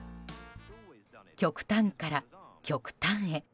極端から極端へ。